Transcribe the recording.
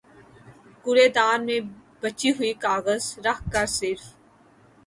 کوڑے دان میں بچی ہوئی غذا رکھ کر صرف